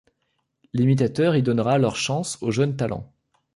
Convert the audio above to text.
L'imitateur y donnera leurs chances aux jeunes talents.